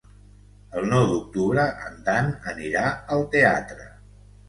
El nou d'octubre en Dan anirà al teatre.